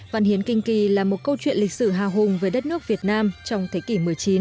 văn hiến kinh kỳ là một câu chuyện lịch sử hào hùng về đất nước việt nam trong thế kỷ một mươi chín